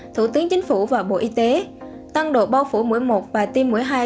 thủ tướng chính phủ và bộ y tế tăng độ bao phủ mũi một và tiêm mũi hai